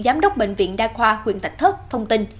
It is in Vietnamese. giám đốc bệnh viện đa khoa huyện thạch thất thông tin